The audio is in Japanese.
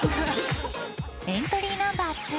エントリーナンバー２